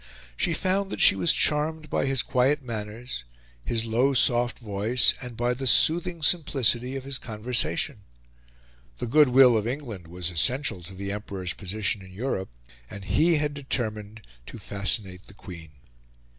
She found that she was charmed by his quiet manners, his low, soft voice, and by the soothing simplicity of his conversation. The good will of England was essential to the Emperor's position in Europe, and he had determined to fascinate the Queen.